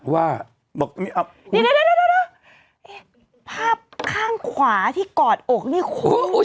ว่านี่เดี๋ยวเดี๋ยวเดี๋ยวภาพข้างขวาที่กอดอกนี่โค้งโอ้ย